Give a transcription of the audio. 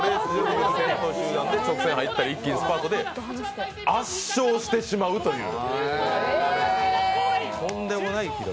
先頭集団に入って一気にスパートで圧勝してしまうという。